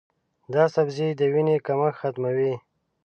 دا سبزی د وینې کمښت ختموي.